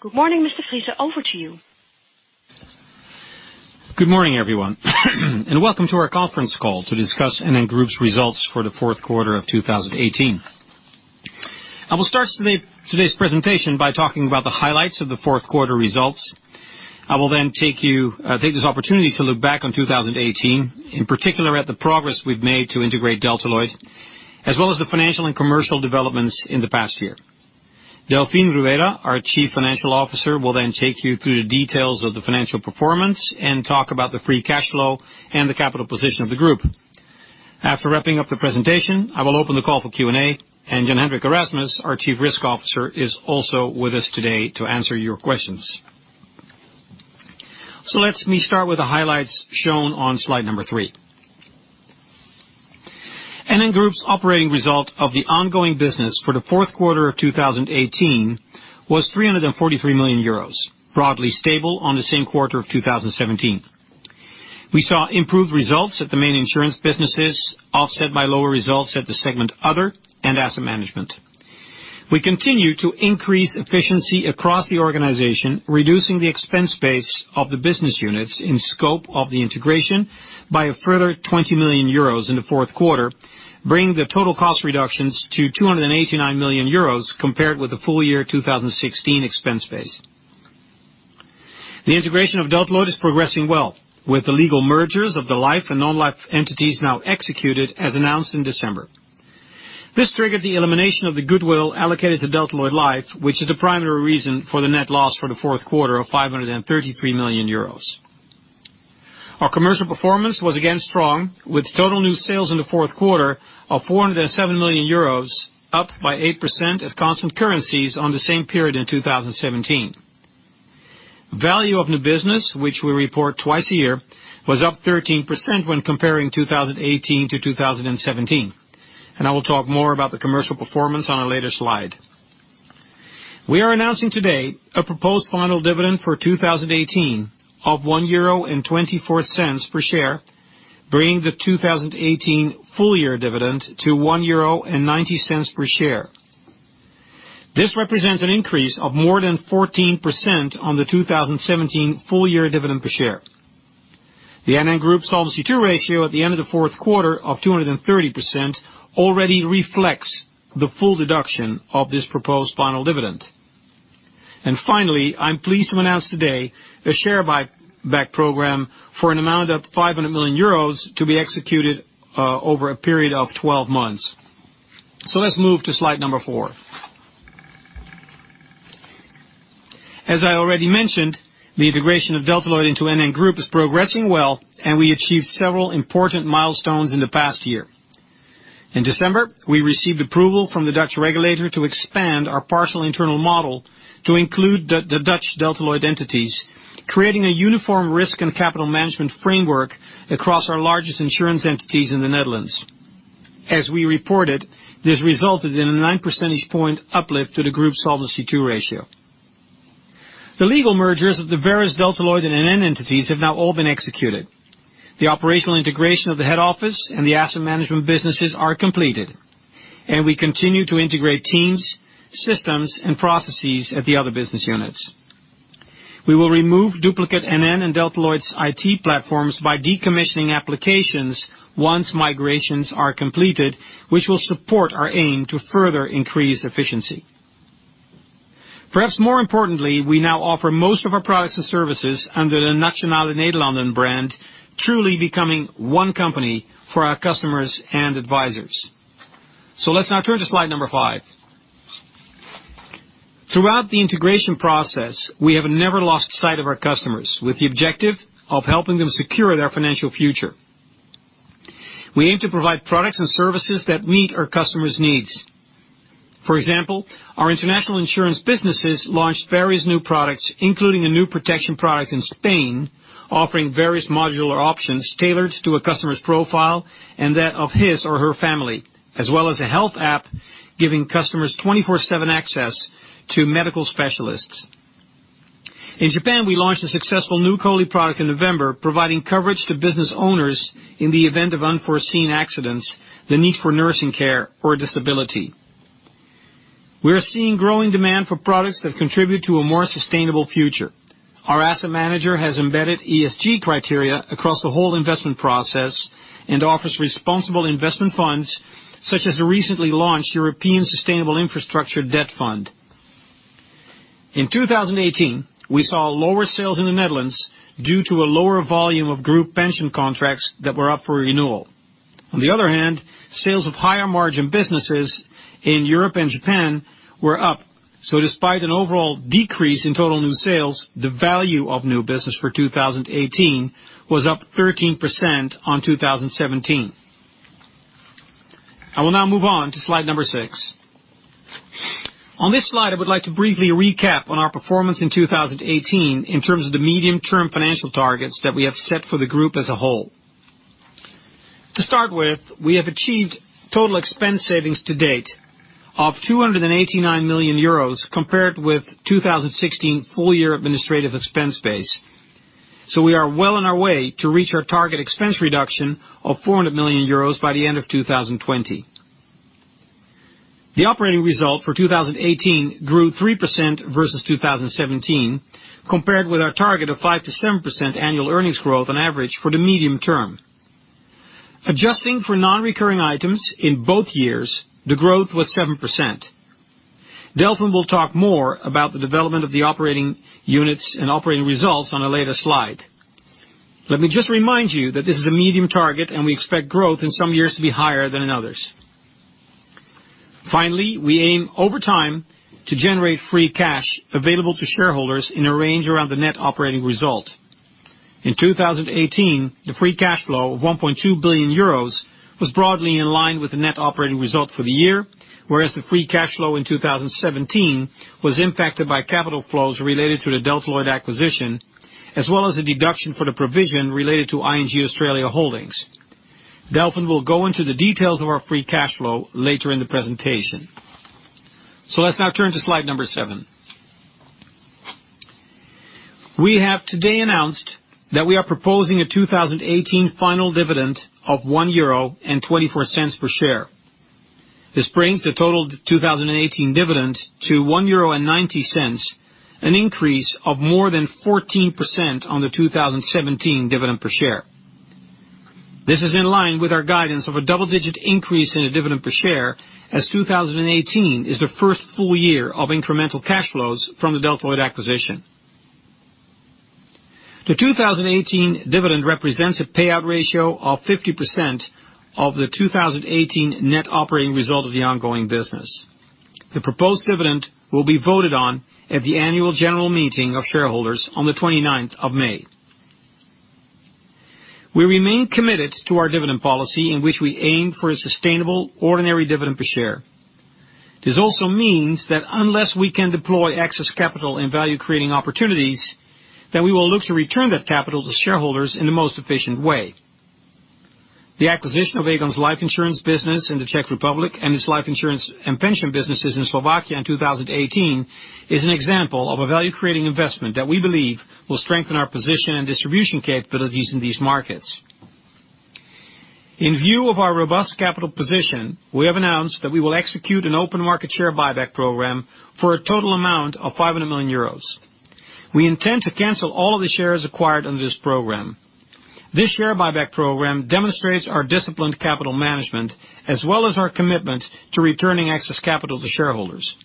Good morning, Mr. Friese. Over to you. Good morning, everyone, welcome to our conference call to discuss NN Group's results for the fourth quarter of 2018. I will start today's presentation by talking about the highlights of the fourth quarter results. I will take this opportunity to look back on 2018, in particular at the progress we've made to integrate Delta Lloyd, as well as the financial and commercial developments in the past year. Delfin Rueda, our Chief Financial Officer, will take you through the details of the financial performance and talk about the free cash flow and the capital position of the group. After wrapping up the presentation, I will open the call for Q&A, Jan-Hendrik Erasmus, our Chief Risk Officer, is also with us today to answer your questions. Let me start with the highlights shown on slide number three. NN Group's operating result of the ongoing business for the fourth quarter of 2018 was 343 million euros, broadly stable on the same quarter of 2017. We saw improved results at the main insurance businesses, offset by lower results at the segment other and asset management. We continue to increase efficiency across the organization, reducing the expense base of the business units in scope of the integration by a further 20 million euros in the fourth quarter, bringing the total cost reductions to 289 million euros compared with the full year 2016 expense base. The integration of Delta Lloyd is progressing well, with the legal mergers of the life and non-life entities now executed as announced in December. This triggered the elimination of the goodwill allocated to Delta Lloyd Life, which is the primary reason for the net loss for the fourth quarter of 533 million euros. Our commercial performance was again strong, with total new sales in the fourth quarter of 407 million euros, up by 8% at constant currencies on the same period in 2017. Value of new business, which we report twice a year, was up 13% when comparing 2018 to 2017. I will talk more about the commercial performance on a later slide. We are announcing today a proposed final dividend for 2018 of 1.24 euro per share, bringing the 2018 full year dividend to 1.90 euro per share. This represents an increase of more than 14% on the 2017 full year dividend per share. The NN Group Solvency II ratio at the end of the fourth quarter of 230% already reflects the full deduction of this proposed final dividend. Finally, I'm pleased to announce today a share buyback program for an amount of 500 million euros to be executed over a period of 12 months. Let's move to slide number four. As I already mentioned, the integration of Delta Lloyd into NN Group is progressing well, and we achieved several important milestones in the past year. In December, we received approval from the Dutch regulator to expand our partial internal model to include the Dutch Delta Lloyd entities, creating a uniform risk and capital management framework across our largest insurance entities in the Netherlands. As we reported, this resulted in a nine percentage point uplift to the Group Solvency II ratio. The legal mergers of the various Delta Lloyd and NN entities have now all been executed. The operational integration of the head office and the asset management businesses are completed, and we continue to integrate teams, systems, and processes at the other business units. We will remove duplicate NN and Delta Lloyd's IT platforms by decommissioning applications once migrations are completed, which will support our aim to further increase efficiency. Perhaps more importantly, we now offer most of our products and services under the Nationale-Nederlanden brand, truly becoming one company for our customers and advisors. Let's now turn to slide number five. Throughout the integration process, we have never lost sight of our customers, with the objective of helping them secure their financial future. We aim to provide products and services that meet our customers' needs. For example, our international insurance businesses launched various new products, including a new protection product in Spain, offering various modular options tailored to a customer's profile and that of his or her family, as well as a health app giving customers 24/7 access to medical specialists. In Japan, we launched a successful new COLI product in November, providing coverage to business owners in the event of unforeseen accidents, the need for nursing care, or disability. We are seeing growing demand for products that contribute to a more sustainable future. Our asset manager has embedded ESG criteria across the whole investment process and offers responsible investment funds, such as the recently launched European Sustainable Infrastructure Debt fund. In 2018, we saw lower sales in the Netherlands due to a lower volume of group pension contracts that were up for renewal. On the other hand, sales of higher margin businesses in Europe and Japan were up. Despite an overall decrease in total new sales, the value of new business for 2018 was up 13% on 2017. I will now move on to slide number six. On this slide, I would like to briefly recap on our performance in 2018 in terms of the medium-term financial targets that we have set for the group as a whole. To start with, we have achieved total expense savings to date of 289 million euros compared with 2016 full year administrative expense base. We are well on our way to reach our target expense reduction of 400 million euros by the end of 2020. The operating result for 2018 grew 3% versus 2017, compared with our target of 5%-7% annual earnings growth on average for the medium term. Adjusting for non-recurring items in both years, the growth was 7%. Delfin will talk more about the development of the operating units and operating results on a later slide. Let me just remind you that this is a medium target, and we expect growth in some years to be higher than in others. Finally, we aim over time to generate free cash available to shareholders in a range around the net operating result. In 2018, the free cash flow of 1.2 billion euros was broadly in line with the net operating result for the year, whereas the free cash flow in 2017 was impacted by capital flows related to the Delta Lloyd acquisition, as well as a deduction for the provision related to ING Australia Holdings. Delfin will go into the details of our free cash flow later in the presentation. Let's now turn to slide number seven. We have today announced that we are proposing a 2018 final dividend of 1.24 euro per share. This brings the total 2018 dividend to 1.90 euro, an increase of more than 14% on the 2017 dividend per share. This is in line with our guidance of a double-digit increase in the dividend per share, as 2018 is the first full year of incremental cash flows from the Delta Lloyd acquisition. The 2018 dividend represents a payout ratio of 50% of the 2018 net operating result of the ongoing business. The proposed dividend will be voted on at the annual general meeting of shareholders on the 29th of May. We remain committed to our dividend policy in which we aim for a sustainable ordinary dividend per share. This also means that unless we can deploy excess capital and value-creating opportunities, then we will look to return that capital to shareholders in the most efficient way. The acquisition of Aegon's life insurance business in the Czech Republic and its life insurance and pension businesses in Slovakia in 2018 is an example of a value-creating investment that we believe will strengthen our position and distribution capabilities in these markets. In view of our robust capital position, we have announced that we will execute an open market share buyback program for a total amount of 500 million euros. We intend to cancel all the shares acquired under this program. This share buyback program demonstrates our disciplined capital management, as well as our commitment to returning excess capital to shareholders.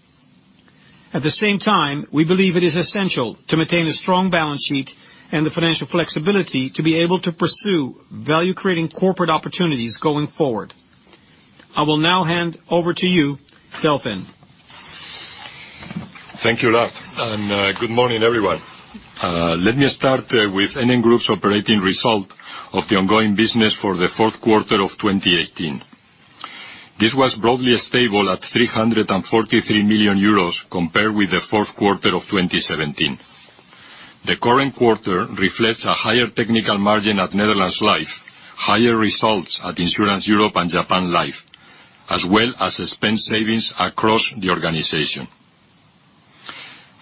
At the same time, we believe it is essential to maintain a strong balance sheet and the financial flexibility to be able to pursue value-creating corporate opportunities going forward. I will now hand over to you, Delfin. Thank you, Lard. Good morning, everyone. Let me start with NN Group's operating result of the ongoing business for the fourth quarter of 2018. This was broadly stable at 343 million euros compared with the fourth quarter of 2017. The current quarter reflects a higher technical margin at Netherlands Life, higher results at Insurance Europe and Japan Life, as well as expense savings across the organization.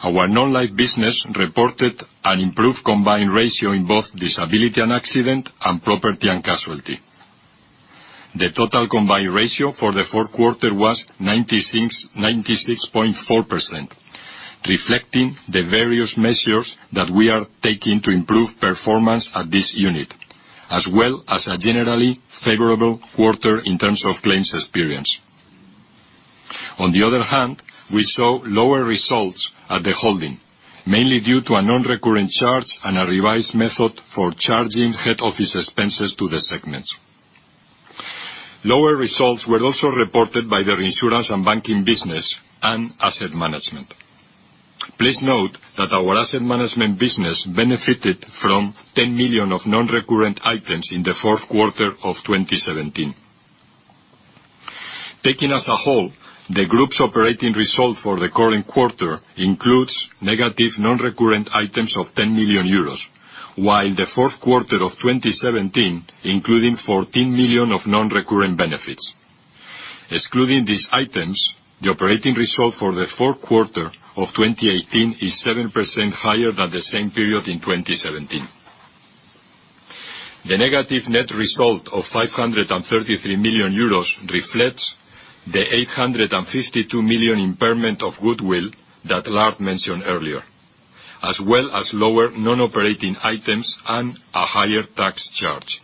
Our non-life business reported an improved combined ratio in both disability and accident, and property and casualty. The total combined ratio for the fourth quarter was 96.4%, reflecting the various measures that we are taking to improve performance at this unit, as well as a generally favorable quarter in terms of claims experience. On the other hand, we saw lower results at the holding, mainly due to a non-recurrent charge and a revised method for charging head office expenses to the segments. Lower results were also reported by the reinsurance and banking business and asset management. Please note that our asset management business benefited from 10 million of non-recurrent items in the fourth quarter of 2017. Taking as a whole, the group's operating result for the current quarter includes negative non-recurrent items of 10 million euros, while in the fourth quarter of 2017, including 14 million of non-recurrent benefits. Excluding these items, the operating result for the fourth quarter of 2018 is 7% higher than the same period in 2017. The negative net result of 533 million euros reflects the 852 million impairment of goodwill that Lard mentioned earlier, as well as lower non-operating items and a higher tax charge.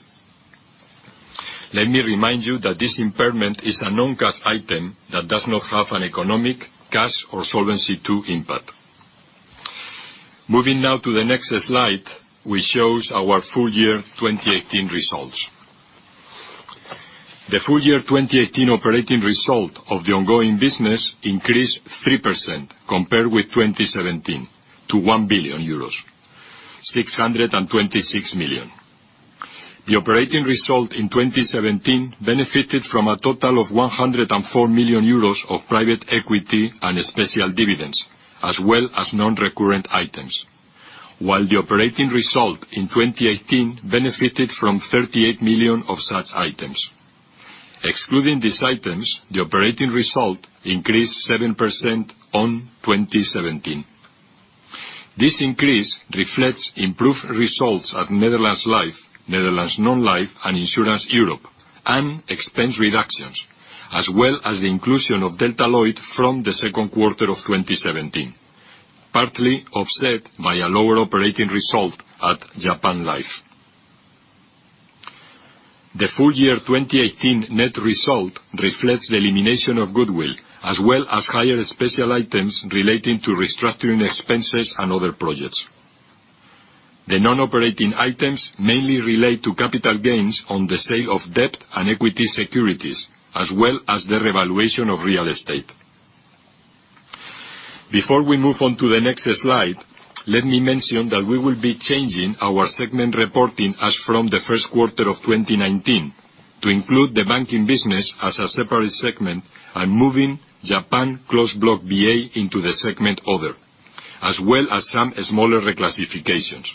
Let me remind you that this impairment is a non-cash item that does not have an economic, cash, or Solvency II impact. Moving now to the next slide, which shows our full year 2018 results. The full year 2018 operating result of the ongoing business increased 3% compared with 2017 to 1,626 million euros. The operating result in 2017 benefited from a total of 104 million euros of private equity and special dividends, as well as non-recurrent items. While the operating result in 2018 benefited from 38 million of such items. Excluding these items, the operating result increased 7% on 2017. This increase reflects improved results at Netherlands Life, Netherlands Non-Life, and Insurance Europe, and expense reductions, as well as the inclusion of Delta Lloyd from the second quarter of 2017, partly offset by a lower operating result at Japan Life. The full year 2018 net result reflects the elimination of goodwill, as well as higher special items relating to restructuring expenses and other projects. The non-operating items mainly relate to capital gains on the sale of debt and equity securities, as well as the revaluation of real estate. Before we move on to the next slide, let me mention that we will be changing our segment reporting as from the first quarter of 2019 to include the banking business as a separate segment, and moving Japan Closed Block VA into the segment Other, as well as some smaller reclassifications.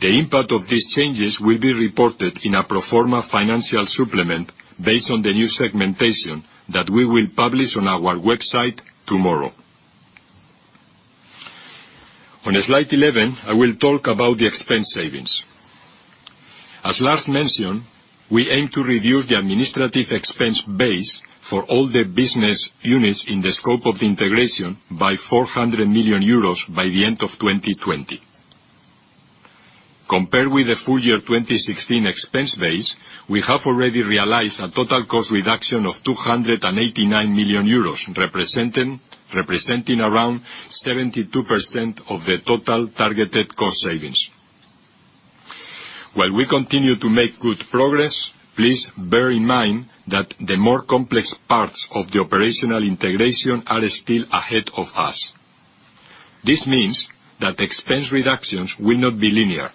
The impact of these changes will be reported in a pro forma financial supplement based on the new segmentation that we will publish on our website tomorrow. On slide 11, I will talk about the expense savings. As Lard mentioned, we aim to reduce the administrative expense base for all the business units in the scope of the integration by 400 million euros by the end of 2020. Compared with the full year 2016 expense base, we have already realized a total cost reduction of 289 million euros, representing around 72% of the total targeted cost savings. While we continue to make good progress, please bear in mind that the more complex parts of the operational integration are still ahead of us. This means that expense reductions will not be linear,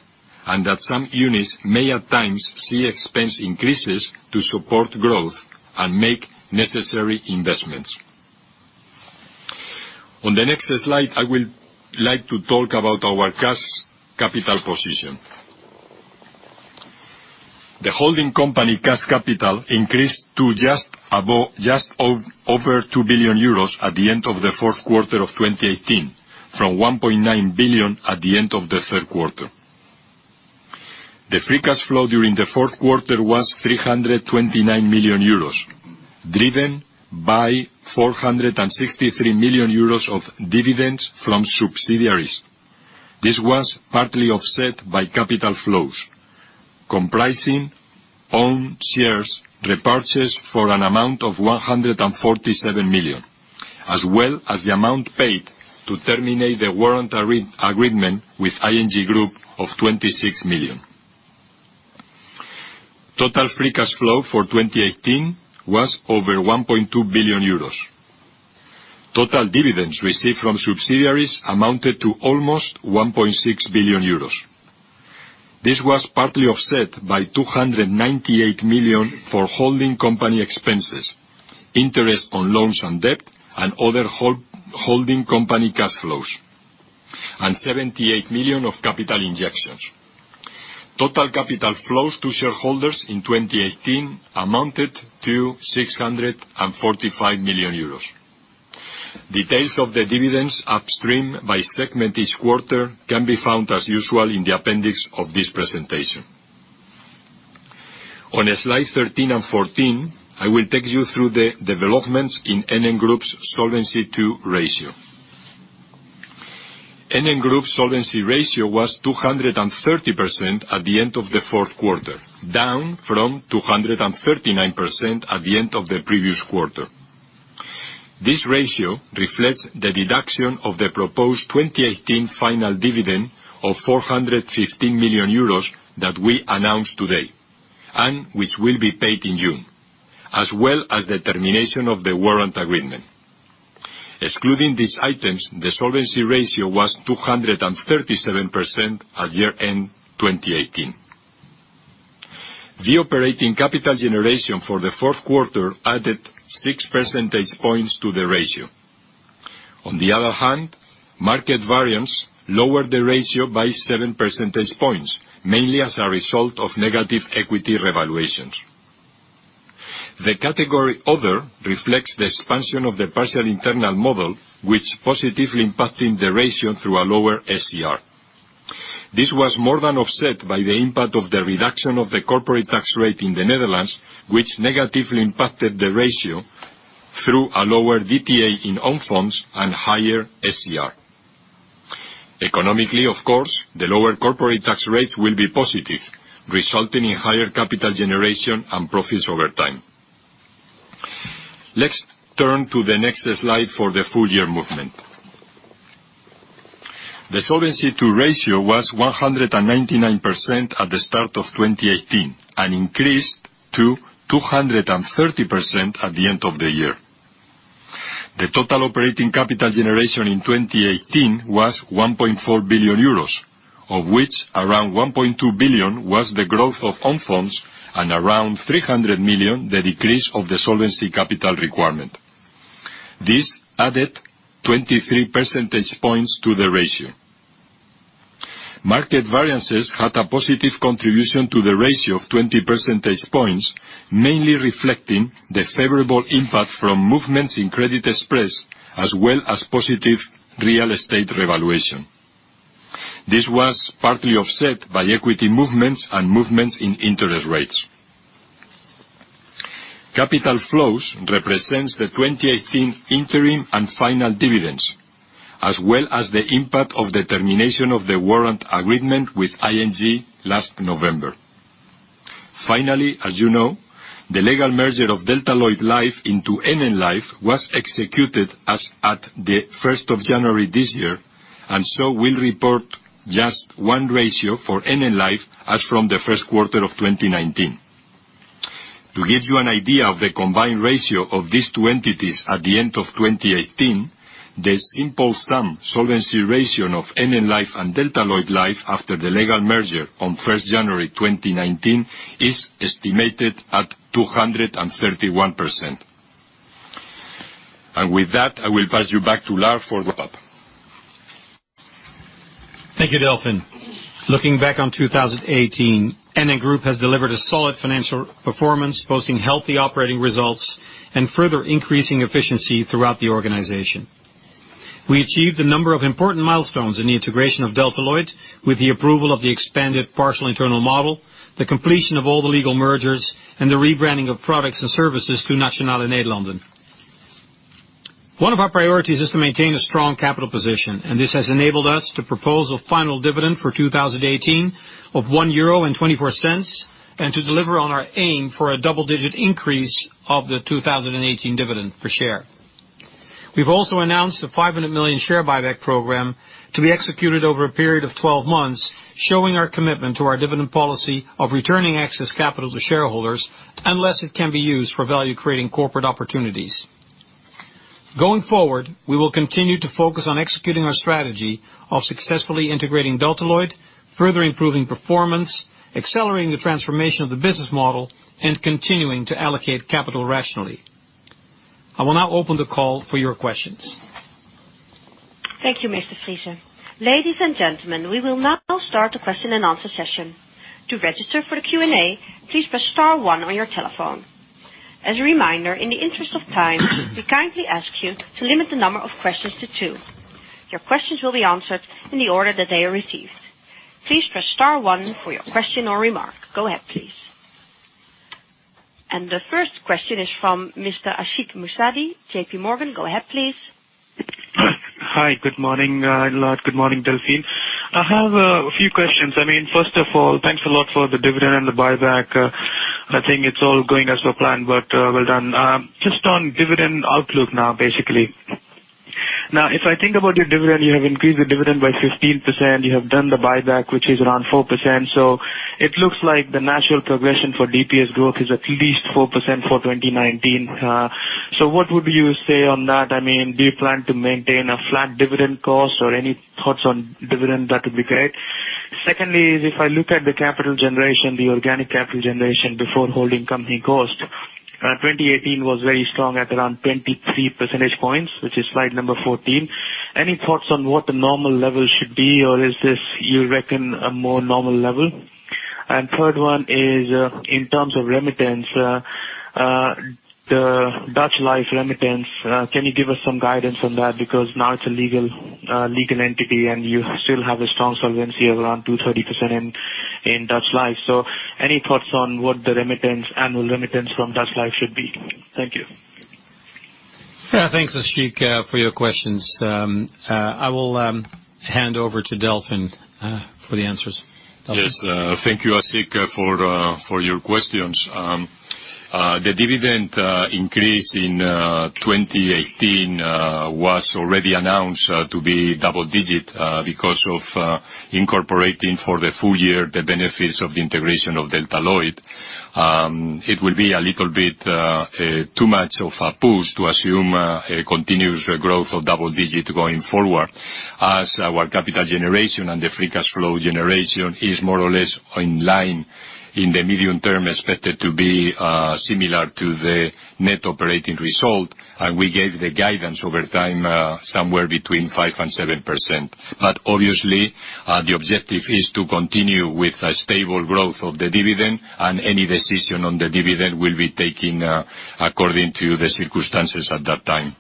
and that some units may, at times, see expense increases to support growth and make necessary investments. On the next slide, I will like to talk about our cash capital position. The holding company cash capital increased to just over 2 billion euros at the end of the fourth quarter of 2018, from 1.9 billion at the end of the third quarter. The free cash flow during the fourth quarter was 329 million euros, driven by 463 million euros of dividends from subsidiaries. This was partly offset by capital flows comprising own shares repurchased for an amount of 147 million, as well as the amount paid to terminate the warrant agreement with ING Group of 26 million. Total free cash flow for 2018 was over 1.2 billion euros. Total dividends received from subsidiaries amounted to almost 1.6 billion euros. This was partly offset by 298 million for holding company expenses, interest on loans and debt, and other holding company cash flows, and 78 million of capital injections. Total capital flows to shareholders in 2018 amounted to 645 million euros. Details of the dividends upstream by segment each quarter can be found, as usual, in the appendix of this presentation. On slides 13 and 14, I will take you through the developments in NN Group's Solvency II ratio. NN Group Solvency ratio was 230% at the end of the fourth quarter, down from 239% at the end of the previous quarter. This ratio reflects the deduction of the proposed 2018 final dividend of 415 million euros that we announced today, and which will be paid in June, as well as the termination of the warrant agreement. Excluding these items, the Solvency ratio was 237% at year-end 2018. The operating capital generation for the fourth quarter added six percentage points to the ratio. Market variance lowered the ratio by seven percentage points, mainly as a result of negative equity revaluations. The category Other reflects the expansion of the partial internal model, which positively impacting the ratio through a lower SCR. This was more than offset by the impact of the reduction of the corporate tax rate in the Netherlands, which negatively impacted the ratio through a lower DTA in own funds and higher SCR. Economically, of course, the lower corporate tax rates will be positive, resulting in higher capital generation and profits over time. Let's turn to the next slide for the full year movement. The Solvency II ratio was 199% at the start of 2018, and increased to 230% at the end of the year. The total operating capital generation in 2018 was 1.4 billion euros, of which around 1.2 billion was the growth of own funds and around 300 million the decrease of the solvency capital requirement. This added 23 percentage points to the ratio. Market variances had a positive contribution to the ratio of 20 percentage points, mainly reflecting the favorable impact from movements in credit spreads, as well as positive real estate revaluation. This was partly offset by equity movements and movements in interest rates. Capital flows represents the 2018 interim and final dividends, as well as the impact of the termination of the warrant agreement with ING last November. Finally, as you know, the legal merger of Delta Lloyd Levensverzekering into NN Life was executed as at the 1st of January this year. We'll report just one ratio for NN Life as from the first quarter of 2019. To give you an idea of the combined ratio of these two entities at the end of 2018, the simple sum solvency ratio of NN Life and Delta Lloyd Levensverzekering after the legal merger on 1st January 2019 is estimated at 231%. With that, I will pass you back to Lard for wrap-up. Thank you, Delfin. Looking back on 2018, NN Group has delivered a solid financial performance, posting healthy operating results and further increasing efficiency throughout the organization. We achieved a number of important milestones in the integration of Delta Lloyd with the approval of the expanded partial internal model, the completion of all the legal mergers, and the rebranding of products and services to Nationale-Nederlanden. One of our priorities is to maintain a strong capital position. This has enabled us to propose a final dividend for 2018 of 1.24 euro and to deliver on our aim for a double-digit increase of the 2018 dividend per share. We've also announced a 500 million share buyback program to be executed over a period of 12 months, showing our commitment to our dividend policy of returning excess capital to shareholders, unless it can be used for value-creating corporate opportunities. Going forward, we will continue to focus on executing our strategy of successfully integrating Delta Lloyd, further improving performance, accelerating the transformation of the business model, and continuing to allocate capital rationally. I will now open the call for your questions. Thank you, Mr. Friese. Ladies and gentlemen, we will now start the question and answer session. To register for the Q&A, please press star one on your telephone. As a reminder, in the interest of time, we kindly ask you to limit the number of questions to two. Your questions will be answered in the order that they are received. Please press star one for your question or remark. Go ahead, please. The first question is from Mr. Ashik Musaddi, JPMorgan. Go ahead, please. Hi. Good morning, Lard. Good morning, Delfin. I have a few questions. First of all, thanks a lot for the dividend and the buyback. I think it is all going as per planned, but well done. Just on dividend outlook now, basically. If I think about your dividend, you have increased the dividend by 15%. You have done the buyback, which is around 4%. So it looks like the natural progression for DPS growth is at least 4% for 2019. What would you say on that? Do you plan to maintain a flat dividend cost or any thoughts on dividend? That would be great. Secondly is if I look at the capital generation, the organic capital generation before holding company cost, 2018 was very strong at around 23 percentage points, which is slide number 14. Any thoughts on what the normal level should be, or is this, you reckon, a more normal level? The third one is, in terms of remittance, the Netherlands Life remittance, can you give us some guidance on that? Because now it is a legal entity, and you still have a strong solvency of around 230% in Netherlands Life. Any thoughts on what the annual remittance from Netherlands Life should be? Thank you. Thanks, Ashik, for your questions. I will hand over to Delfin for the answers. Delfin. Yes. Thank you, Ashik, for your questions. The dividend increase in 2018 was already announced to be double-digit because of incorporating for the full year the benefits of the integration of Delta Lloyd. It will be a little bit too much of a boost to assume a continuous growth of double-digit going forward, as our capital generation and the free cash flow generation is more or less in line in the medium term, expected to be similar to the net operating result. We gave the guidance over time somewhere between 5%-7%. Obviously, the objective is to continue with a stable growth of the dividend, and any decision on the dividend will be taken according to the circumstances at that time.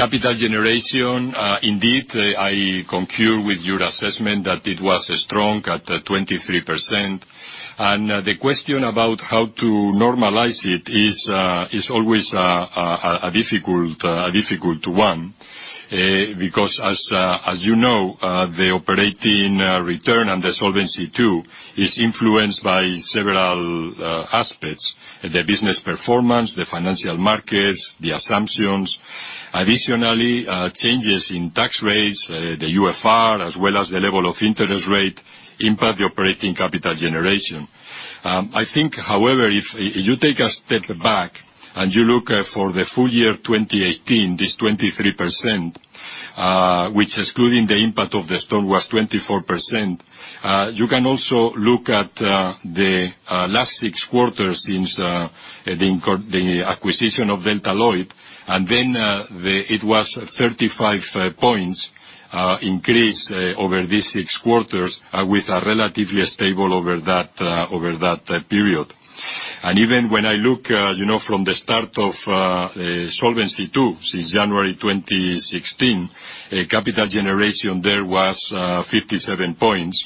Capital generation, indeed, I concur with your assessment that it was strong at 23%. The question about how to normalize it is always a difficult one. As you know, the operating return and the Solvency II is influenced by several aspects, the business performance, the financial markets, the assumptions. Additionally, changes in tax rates, the UFR, as well as the level of interest rate, impact the operating capital generation. I think, however, if you take a step back and you look for the full year 2018, this 23%, which excluding the impact of the storm, was 24%. You can also look at the last six quarters since the acquisition of Delta Lloyd, and then it was 35 points increase over these six quarters with a relatively stable over that period. Even when I look from the start of Solvency II, since January 2016, capital generation there was 57 points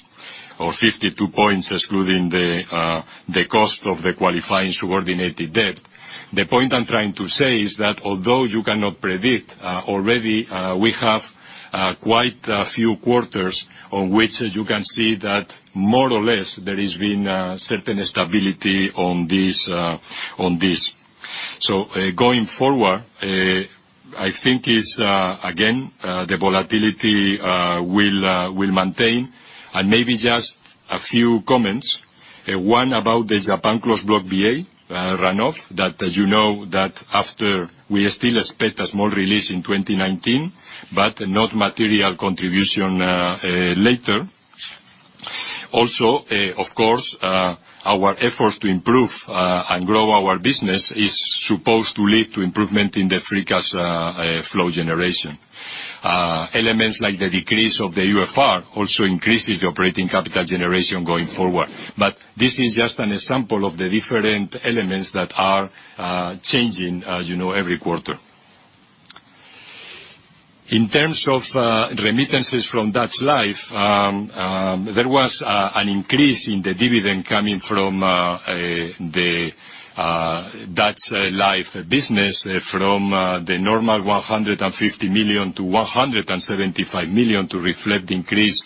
or 52 points excluding the cost of the qualifying subordinated debt. The point I'm trying to say is that although you cannot predict, already we have quite a few quarters on which you can see that more or less there is been a certain stability on this. Going forward, I think is, again, the volatility will maintain. Maybe just a few comments. One about the Japan Closed Block VA runoff, that as you know, that after we still expect a small release in 2019, but not material contribution later. Also, of course, our efforts to improve and grow our business is supposed to lead to improvement in the free cash flow generation. Elements like the decrease of the UFR also increases the operating capital generation going forward. This is just an example of the different elements that are changing every quarter. In terms of remittances from Netherlands Life, there was an increase in the dividend coming from the Netherlands Life business from the normal 150 million-175 million to reflect increased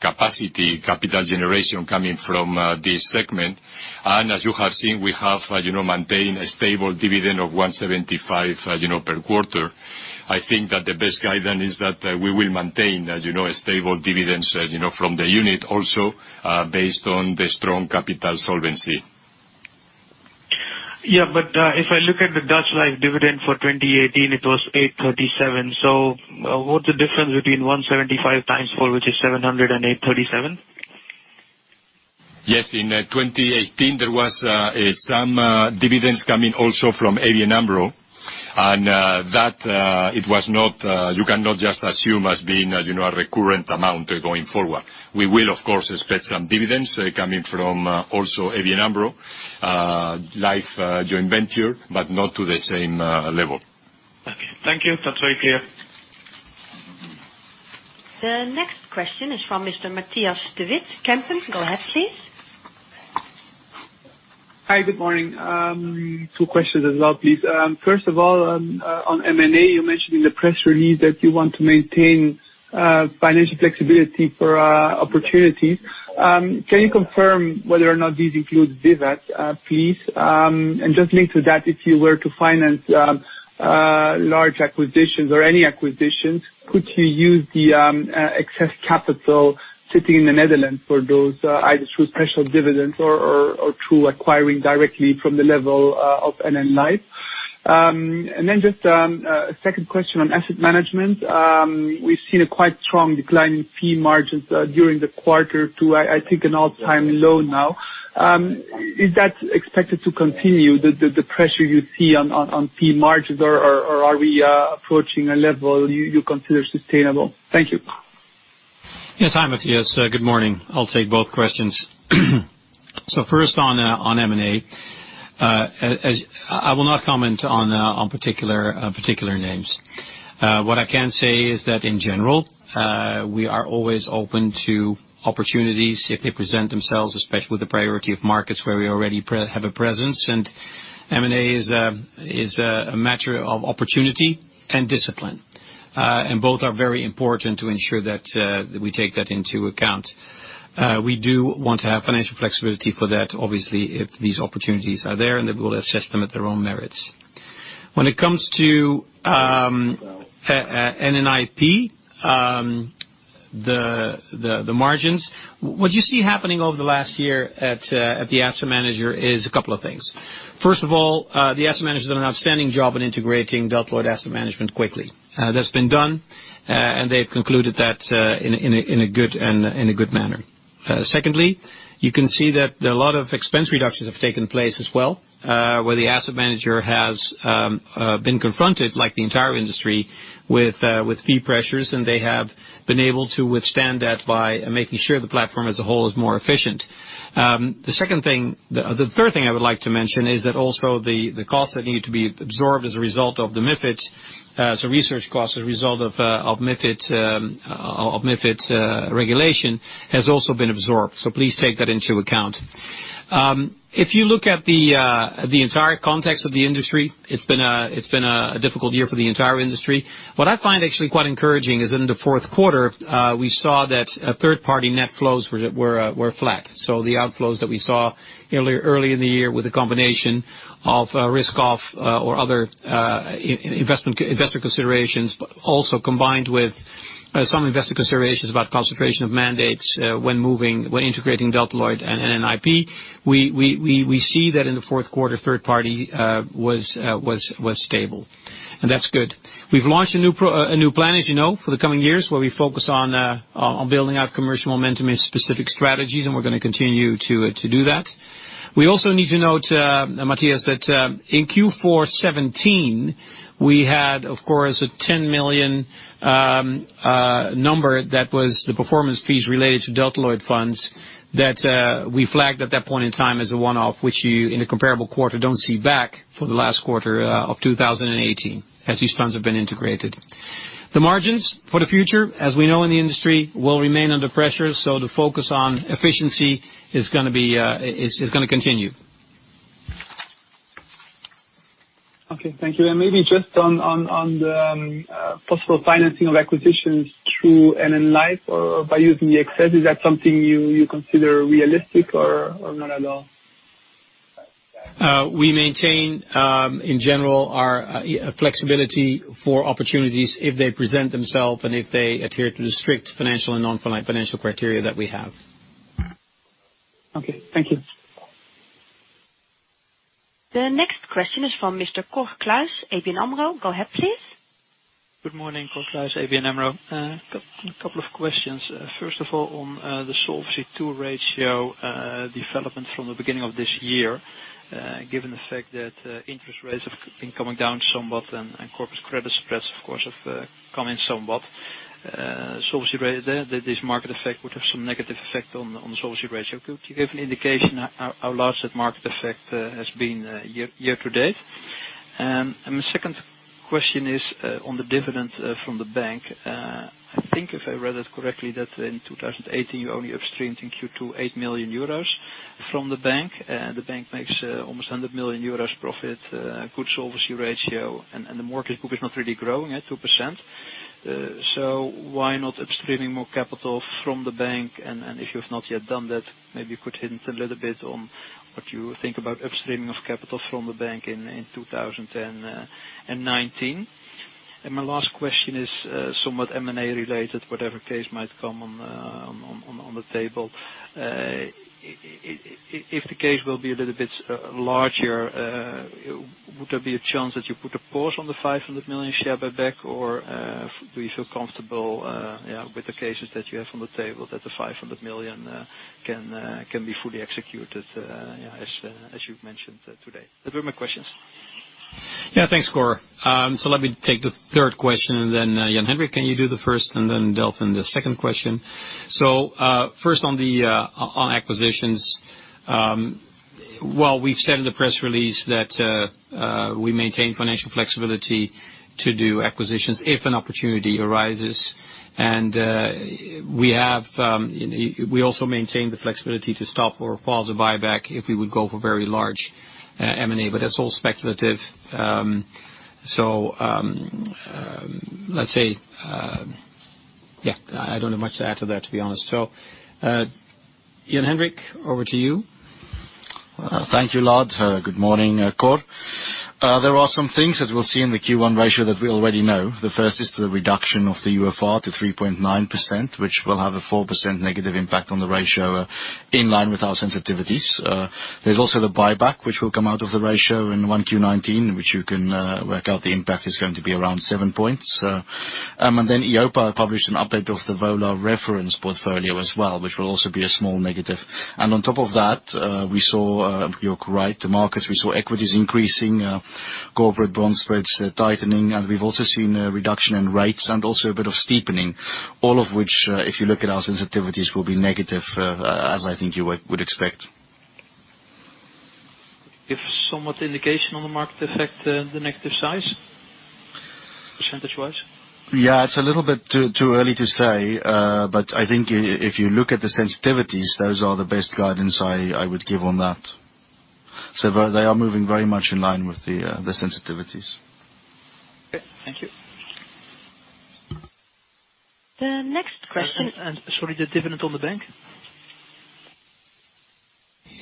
capacity, capital generation coming from this segment. As you have seen, we have maintained a stable dividend of 175 per quarter. I think that the best guidance is that we will maintain, as you know, a stable dividend from the unit also, based on the strong capital Solvency. Yeah, if I look at the Netherlands Life dividend for 2018, it was 837. What's the difference between 175 times 4, which is 700 and 837? Yes. In 2018, there was some dividends coming also from ABN AMRO, that you cannot just assume as being a recurrent amount going forward. We will, of course, expect some dividends coming from also ABN AMRO Levensverzekering joint venture, not to the same level. Okay. Thank you. That's very clear. The next question is from Mr. Matthijs de Wit, Kempen. Go ahead, please. Hi. Good morning. Two questions as well, please. First of all, on M&A, you mentioned in the press release that you want to maintain financial flexibility for opportunities. Can you confirm whether or not this includes dividends, please? Just linked to that, if you were to finance large acquisitions or any acquisitions, could you use the excess capital sitting in the Netherlands for those, either through special dividends or through acquiring directly from the level of NN Life? Just a second question on asset management. We've seen a quite strong decline in fee margins during the quarter to, I think, an all-time low now. Is that expected to continue, the pressure you see on fee margins, or are we approaching a level you consider sustainable? Thank you. Yes. Hi, Matthijs. Good morning. I'll take both questions. First on M&A. I will not comment on particular names. What I can say is that in general, we are always open to opportunities if they present themselves, especially with the priority of markets where we already have a presence, and M&A is a matter of opportunity and discipline. Both are very important to ensure that we take that into account. We do want to have financial flexibility for that, obviously, if these opportunities are there, and then we will assess them at their own merits. When it comes to NN IP, the margins, what you see happening over the last year at the asset manager is a couple of things. First of all, the asset manager did an outstanding job in integrating Delta Lloyd Asset Management quickly. That's been done, and they've concluded that in a good manner. Secondly, you can see that a lot of expense reductions have taken place as well, where the asset manager has been confronted, like the entire industry, with fee pressures, and they have been able to withstand that by making sure the platform as a whole is more efficient. The third thing I would like to mention is that also the costs that needed to be absorbed as a result of the MiFID, so research costs as a result of MiFID regulation, has also been absorbed. Please take that into account. If you look at the entire context of the industry, it's been a difficult year for the entire industry. What I find actually quite encouraging is that in the fourth quarter, we saw that third-party net flows were flat. The outflows that we saw early in the year with a combination of risk off or other investor considerations, but also combined with some investor considerations about concentration of mandates when integrating Delta Lloyd and NN IP. We see that in the fourth quarter, third party was stable, and that's good. We've launched a new plan, as you know, for the coming years, where we focus on building out commercial momentum in specific strategies, and we're going to continue to do that. We also need to note, Matthijs, that in Q4 2017, we had, of course, a 10 million number that was the performance fees related to Deloitte funds that we flagged at that point in time as a one-off, which you, in the comparable quarter, don't see back for the last quarter of 2018, as these funds have been integrated. The margins for the future, as we know in the industry, will remain under pressure. The focus on efficiency is going to continue. Okay. Thank you. Maybe just on the possible financing of acquisitions through NN Life or by using the excess, is that something you consider realistic or not at all? We maintain, in general, our flexibility for opportunities if they present themselves and if they adhere to the strict financial and non-financial criteria that we have. Okay. Thank you. The next question is from Mr. Cor Kluis, ABN AMRO. Go ahead, please. Good morning. Cor Kluis, ABN AMRO. A couple of questions. First of all, on the Solvency II ratio development from the beginning of this year, given the fact that interest rates have been coming down somewhat and corporate credit spreads, of course, have come in somewhat. Solvency rate, this market effect would have some negative effect on the solvency ratio. Could you give an indication how large that market effect has been year to date? My second question is on the dividend from the bank. I think if I read it correctly, that in 2018 you only upstreamed in Q2 8 million euros from the bank. The bank makes almost 100 million euros profit, good solvency ratio, and the mortgage book is not really growing at 2%. Why not upstreaming more capital from the bank? If you have not yet done that, maybe you could hint a little bit on what you think about upstreaming of capital from the bank in 2019. My last question is somewhat M&A related, whatever case might come on the table. If the case will be a little bit larger, would there be a chance that you put a pause on the 500 million share buyback? Do you feel comfortable with the cases that you have on the table that the 500 million can be fully executed as you've mentioned today? Those were my questions. Yeah. Thanks, Cor. Let me take the third question, and then Jan-Hendrik, can you do the first, and then Delfin the second question. First on acquisitions. Well, we've said in the press release that we maintain financial flexibility to do acquisitions if an opportunity arises. We also maintain the flexibility to stop or pause a buyback if we would go for very large M&A. That's all speculative. Let's say, yeah, I don't have much to add to that, to be honest. Jan-Hendrik, over to you. Thank you, Lard. Good morning, Cor. There are some things that we'll see in the Q1 ratio that we already know. The first is the reduction of the UFR to 3.9%, which will have a 4% negative impact on the ratio in line with our sensitivities. There's also the buyback, which will come out of the ratio in one Q19, which you can work out the impact is going to be around seven points. EIOPA published an update of the VOLA reference portfolio as well, which will also be a small negative. On top of that, we saw, you're right, the markets, we saw equities increasing, corporate bond spreads tightening, and we've also seen a reduction in rates and also a bit of steepening, all of which if you look at our sensitivities, will be negative as I think you would expect. Give some indication on the market effect, the negative size, percentage-wise. Yeah, it's a little bit too early to say. I think if you look at the sensitivities, those are the best guidance I would give on that. They are moving very much in line with the sensitivities. Okay. Thank you. The next question. Sorry, the dividend on the bank.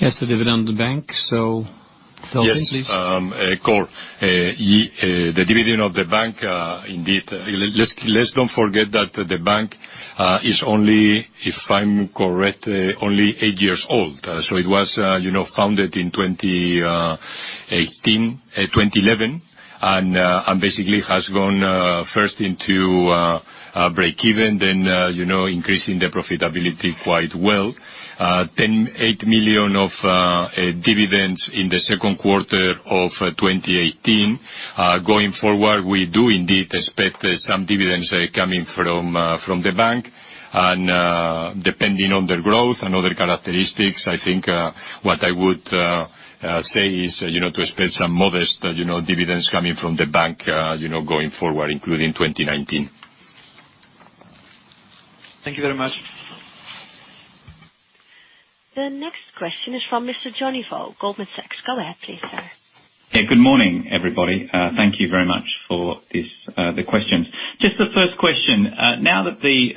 Yes, the dividend on the bank. Delfin, please. Yes, Cor. The dividend of the bank indeed. Let's don't forget that the bank is only, if I'm correct, only eight years old. It was founded in 2011 and basically has gone first into breakeven, then increasing the profitability quite well. 8 million of dividends in the second quarter of 2018. Going forward, we do indeed expect some dividends coming from the bank. Depending on their growth and other characteristics, I think what I would say is to expect some modest dividends coming from the bank going forward, including 2019. Thank you very much. The next question is from Mr. Johnny Vo, Goldman Sachs. Go ahead please, sir. Good morning, everybody. Thank you very much for the questions. The first question. Now that the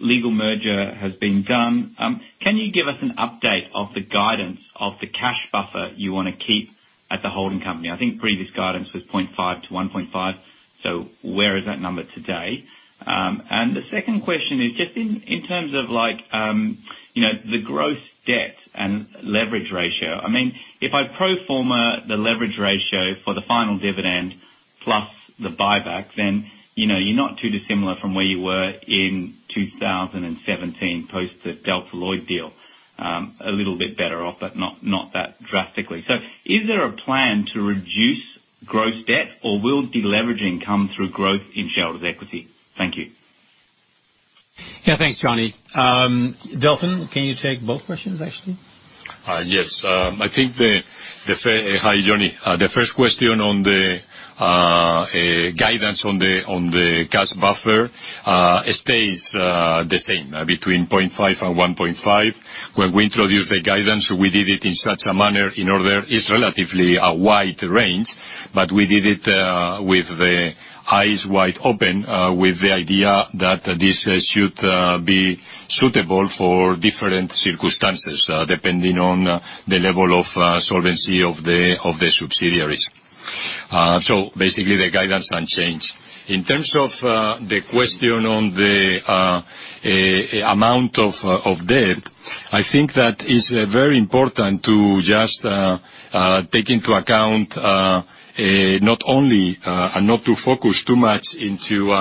legal merger has been done, can you give us an update of the guidance of the cash buffer you want to keep at the holding company? I think previous guidance was 0.5-1.5. Where is that number today? The second question is just in terms of the gross debt and leverage ratio. If I pro forma the leverage ratio for the final dividend plus the buyback, then you're not too dissimilar from where you were in 2017 post the Delta Lloyd deal. A little bit better off, but not that drastically. Is there a plan to reduce gross debt, or will de-leveraging come through growth in shareholders' equity? Thank you. Thanks, Johnny. Delfin, can you take both questions, actually? Yes. Hi, Johnny. The first question on the guidance on the CAS buffer stays the same, between 0.5 and 1.5. When we introduced the guidance, we did it in such a manner in order, it's relatively a wide range, but we did it with the eyes wide open, with the idea that this should be suitable for different circumstances, depending on the level of solvency of the subsidiaries. Basically, the guidance unchanged. In terms of the question on the amount of debt, I think that it's very important to just take into account, not to focus too much into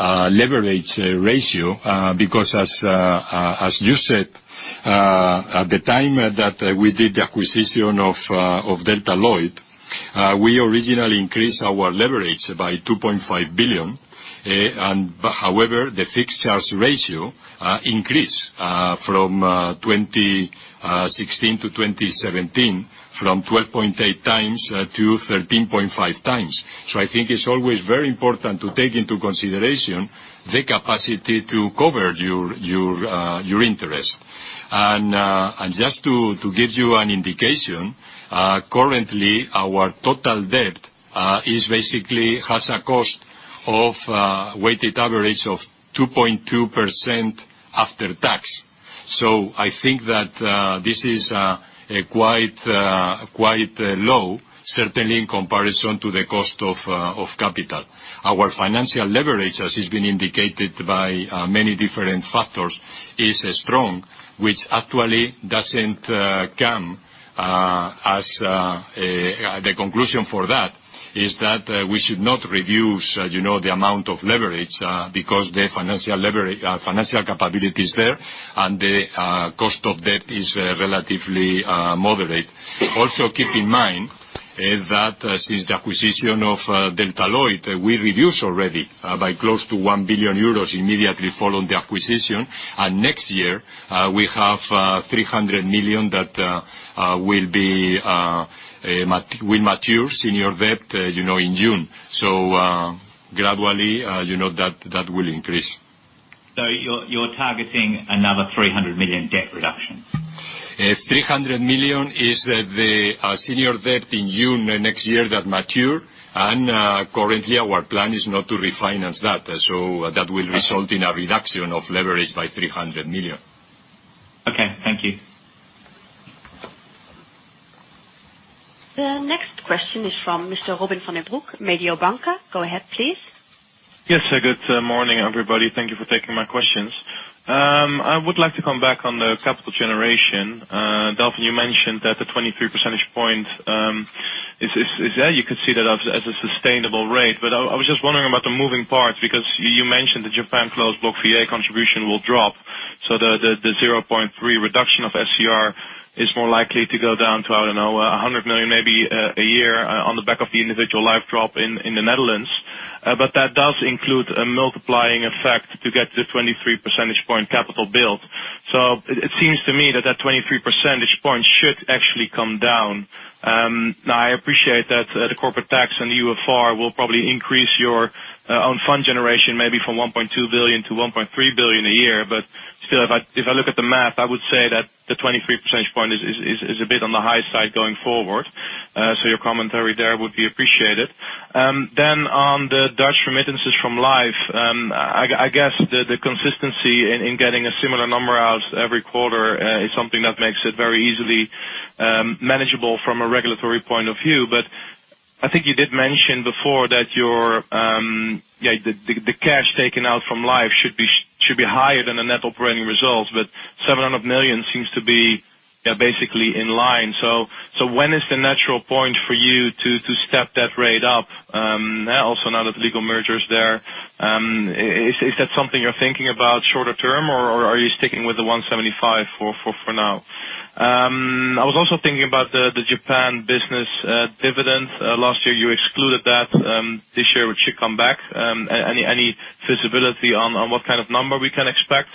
leverage ratio. Because as you said, at the time that we did the acquisition of Delta Lloyd, we originally increased our leverage by 2.5 billion. However, the fixed charge ratio increased from 2016-2017, from 12.8 times-13.5 times. I think it's always very important to take into consideration the capacity to cover your interest. Just to give you an indication, currently our total debt basically has a cost of a weighted average of 2.2% after tax. I think that this is quite low, certainly in comparison to the cost of capital. Our financial leverage, as has been indicated by many different factors, is strong. Which actually doesn't come as a conclusion for that, is that we should not reduce the amount of leverage because the financial capability is there, and the cost of debt is relatively moderate. Also, keep in mind that since the acquisition of Delta Lloyd, we reduced already by close to 1 billion euros immediately following the acquisition. Next year, we have 300 million that will mature, senior debt, in June. Gradually, that will increase. You're targeting another 300 million debt reduction? 300 million is the senior debt in June next year that mature. Currently, our plan is not to refinance that. That will result in a reduction of leverage by 300 million. Okay. Thank you. The next question is from Mr. Robin van den Broek, Mediobanca. Go ahead, please. Yes. Good morning, everybody. Thank you for taking my questions. I would like to come back on the capital generation. Delfin, you mentioned that the 23 percentage point is there. You could see that as a sustainable rate. I was just wondering about the moving parts, because you mentioned the Japan Closed Block VA contribution will drop. The 0.3 reduction of SCR is more likely to go down to, I don't know, 100 million maybe a year on the back of the individual Life drop in the Netherlands. That does include a multiplying effect to get to the 23 percentage point capital build. It seems to me that that 23 percentage point should actually come down. I appreciate that the corporate tax and the UFR will probably increase your own fund generation, maybe from 1.2 billion to 1.3 billion a year. Still, if I look at the math, I would say that the 23 percentage point is a bit on the high side going forward. Your commentary there would be appreciated. On the Dutch remittances from Life, I guess the consistency in getting a similar number out every quarter is something that makes it very easily manageable from a regulatory point of view. I think you did mention before that the cash taken out from Life should be higher than the net operating results, but 700 million seems to be basically in line. When is the natural point for you to step that rate up? Now that the legal merger's there, is that something you're thinking about shorter term, or are you sticking with the 175 for now? I was also thinking about the Japan business dividend. Last year, you excluded that. This year it should come back. Any visibility on what kind of number we can expect?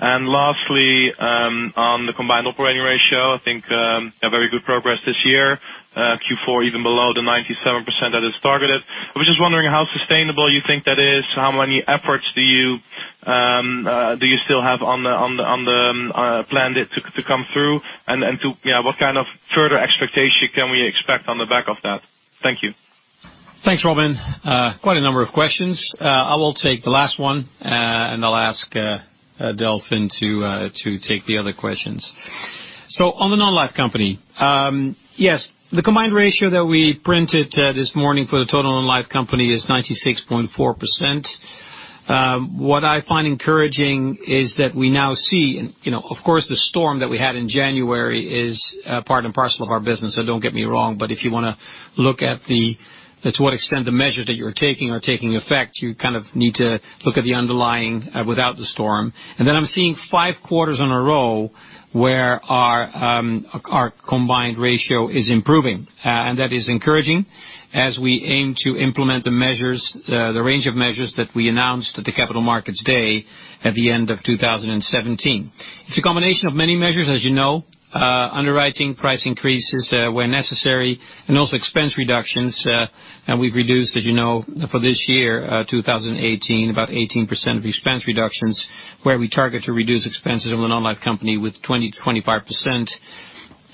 Lastly, on the combined operating ratio, I think a very good progress this year. Q4 even below the 97% that is targeted. I was just wondering how sustainable you think that is, how many efforts do you still have on the planned to come through, and what kind of further expectation can we expect on the back of that? Thank you. Thanks, Robin. Quite a number of questions. I will take the last one, and I'll ask Delfin to take the other questions. On the Non-life company. Yes, the combined ratio that we printed this morning for the total Non-life company is 96.4%. What I find encouraging is that we now see, of course, the storm that we had in January is part and parcel of our business, so don't get me wrong. If you want to look at to what extent the measures that you're taking are taking effect, you need to look at the underlying without the storm. Then I'm seeing five quarters in a row where our combined ratio is improving. That is encouraging as we aim to implement the range of measures that we announced at the Capital Markets Day at the end of 2017. It's a combination of many measures, as you know. Underwriting price increases where necessary, also expense reductions. We've reduced, as you know, for this year, 2018, about 18% of expense reductions, where we target to reduce expenses of the Non-life company with 20%-25%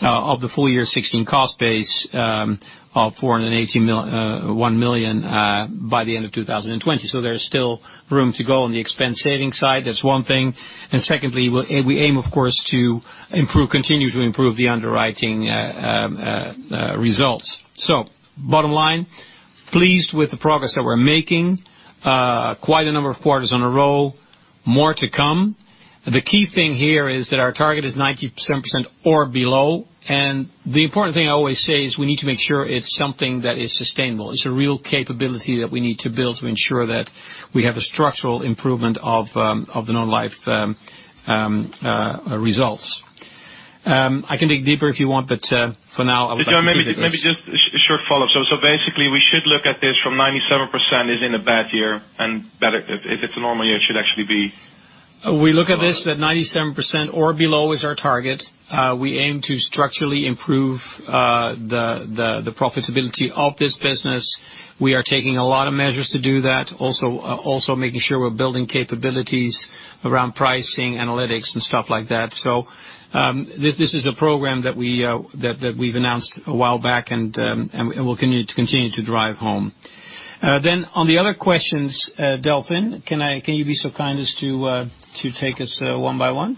of the full year 2016 cost base of 481 million by the end of 2020. There is still room to go on the expense saving side. That's one thing. Secondly, we aim, of course, to continue to improve the underwriting results. Bottom line, pleased with the progress that we're making. Quite a number of quarters in a row. More to come. The key thing here is that our target is 90% or below. The important thing I always say is we need to make sure it's something that is sustainable. It's a real capability that we need to build to ensure that we have a structural improvement of the Non-life results. I can dig deeper if you want, for now, I would like to. Maybe just a short follow-up. Basically, we should look at this from 97% is in a bad year, and if it's a normal year, it should actually be. We look at this that 97% or below is our target. We aim to structurally improve the profitability of this business. We are taking a lot of measures to do that. Also making sure we're building capabilities around pricing, analytics, and stuff like that. This is a program that we've announced a while back, and we'll continue to drive home. On the other questions, Delfin, can you be so kind as to take us one by one?